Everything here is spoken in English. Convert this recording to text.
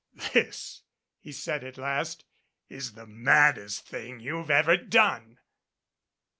"This," he said at last, "is the maddest thing you've ever done."